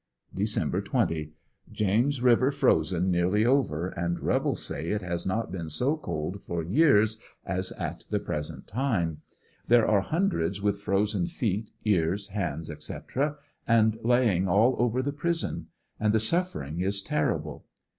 Dec. 20. — James River frozen nearly over, and rebels say it has not been so cold for years as at the present time. There are hun dreds witli frozen feet, ears, hands &c., and laying all over the prison; and the suffering is terrible.